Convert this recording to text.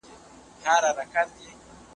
که نن شپه باران وشي نو هوا به ډېره ښکلې شي.